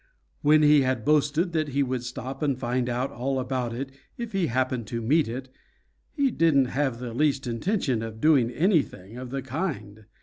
When he had boasted that he would stop and find out all about it if he happened to meet it, he didn't have the least intention of doing anything of the kind.